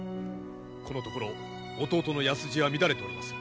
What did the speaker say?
このところ弟の矢筋は乱れております。